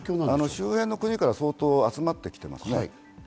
周辺の国から相当、集まってきていますね。